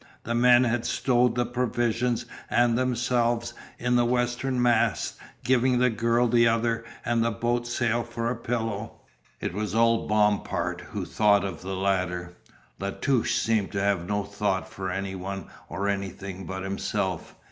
The men had stowed the provisions and themselves in the western mast giving the girl the other and the boat sail for a pillow. It was old Bompard who thought of the latter. La Touche seemed to have no thought for any one or anything but himself.